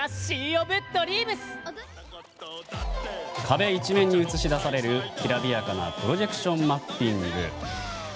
壁一面に映し出されるきらびやかなプロジェクションマッピング。